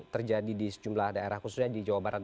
terjadi di sejumlah daerah khususnya di jawa barat